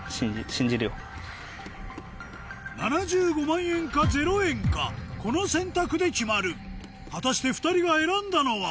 ７５万円か０円かこの選択で決まる果たして２人が選んだのは？